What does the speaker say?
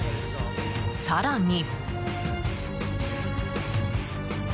更に。